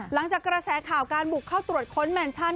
หลังจากกระแสข่าวการบุกเข้าตรวจค้นแมนชั่น